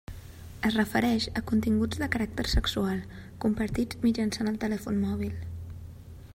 Es refereix a continguts de caràcter sexual, compartits mitjançant el telèfon mòbil.